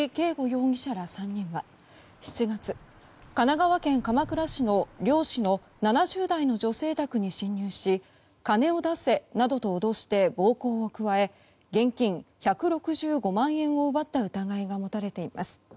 容疑者ら３人は７月、神奈川県鎌倉市の漁師の７０代の女性宅に侵入し金を出せなどと脅して暴行を加え現金１６５万円を奪った疑いが持たれています。